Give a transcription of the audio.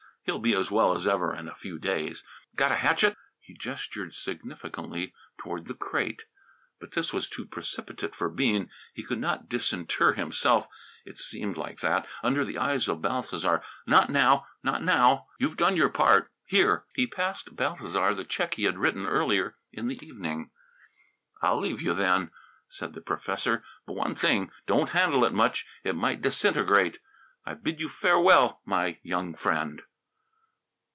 He'll be as well as ever in a few days. Got a hatchet." He gestured significantly toward the crate. But this was too precipitate for Bean. He could not disinter himself it seemed like that under the eyes of Balthasar. "Not now! Not now! You've done your part here!" He passed Balthasar the check he had written earlier in the evening. "I'll leave you, then," said the professor. "But one thing, don't handle it much. It might disintegrate. I bid you farewell, my young friend."